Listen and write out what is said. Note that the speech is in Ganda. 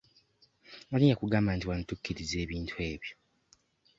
Ani yakugamba nti wano tukkiriza ebintu ebyo?